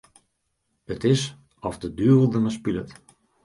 It is oft de duvel dermei spilet.